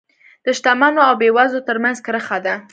د شتمنو او بېوزلو ترمنځ کرښه ده.